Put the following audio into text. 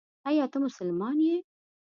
ایا ته مسلمان یې ؟